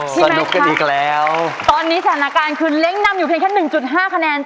สนุกกันอีกแล้วตอนนี้สถานการณ์คือเล้งนำอยู่เพียงแค่หนึ่งจุดห้าคะแนน